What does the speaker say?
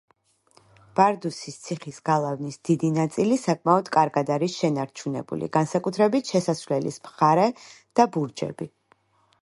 ბარდუსის ციხის გალავნის დიდი ნაწილი საკმაოდ კარგად არის შენარჩუნებული, განსაკუთრებით, შესასვლელის მხარე და ბურჯები.